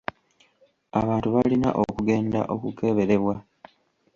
Abantu balina okugenda okukeberebwa.